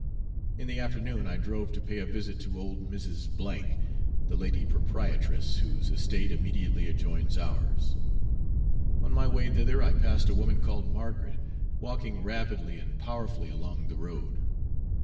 In the afternoon, I drove to pay a visit to old Mrs. A , the lady proprietress whose estate immediately adjoins ours. On my way thither, I passed a woman called Margaret walking rapidly and powerfully along the road.